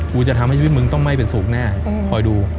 จะทำให้ชีวิตมึงต้องไม่เป็นสุขแน่คอยดู